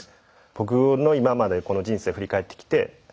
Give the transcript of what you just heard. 僕の今までこの人生振り返ってきて